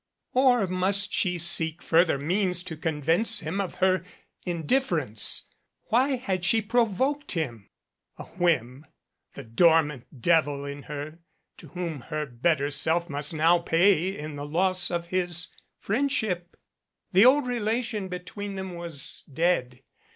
Or must she seek further means to convince him of her indifference? Why had she provoked him? A whim the dormant devil in her to whom her better self must now pay in the loss of his friendship. The old relation between them was dead.